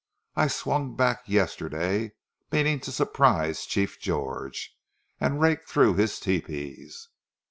I swung back yesterday meaning to surprise Chief George, and rake through his tepees."